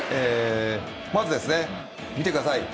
まず、見てください。